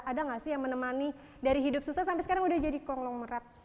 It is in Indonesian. ada gak sih yang menemani dari hidup susah sampai sekarang udah jadi konglomerat